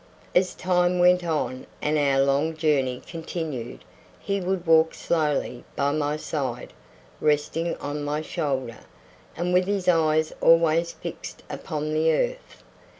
As time went on and our long journey continued he would walk slowly by my side, resting on my shoulder, and with his eyes always fixed upon the earth.